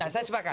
nah saya sepakat